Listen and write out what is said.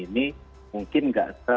karena kalau yang sebelumnya kan ada seperti